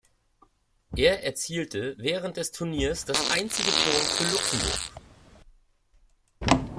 Er erzielte während des Turnieres das einzige Tor für Luxemburg.